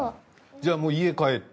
じゃあもう家帰って。